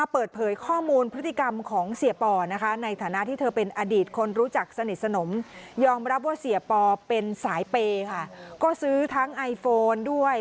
เป็นสายเปย์ค่ะก็ซื้อทั้งไอโฟนด้วย